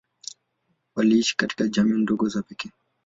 Waliishi katika jamii ndogo za pekee.